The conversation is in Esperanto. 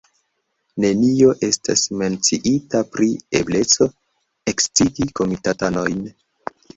Nenio estas menciita pri ebleco eksigi komitatanojn.